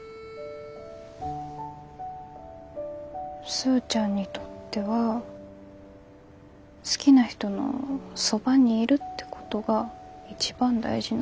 スーちゃんにとっては好きな人のそばにいるってことが一番大事なんだって。